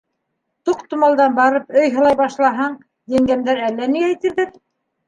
Тоҡтомалдан барып өй һылай башлаһаң, еңгәмдәр әллә ни әйтерҙәр.